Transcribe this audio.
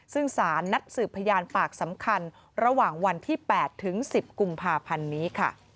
ซึ่งสารนัดสืบพยานปากสำคัญระหว่างวันที่๘ถึง๑๐กุมภาพันธ์นี้ค่ะ